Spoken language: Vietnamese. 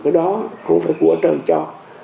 cái đó không phải của trời cho